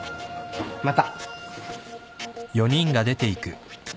また。